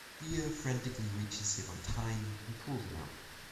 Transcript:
Dia frantically reaches him on time and calls him out.